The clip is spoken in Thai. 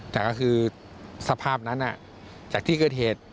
แต่ก็คือสภาพนั้นจากที่เกิดเหตุ